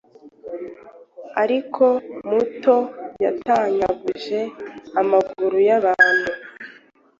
akiri muto yatanyaguje amaguru yabantu,